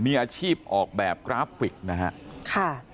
มีอาชีพออกแบบกราฟิกนะฮะค่ะ